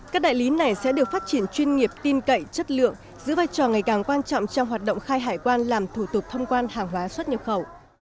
các đại lý này sẽ được phát triển chuyên nghiệp tin cậy chất lượng giữ vai trò ngày càng quan trọng trong hoạt động khai hải quan làm thủ tục thông quan hàng hóa xuất nhập khẩu